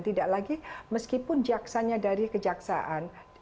tidak lagi meskipun jaksanya dari kejaksaan